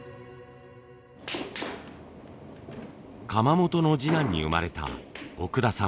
窯元の次男に生まれた奥田さん。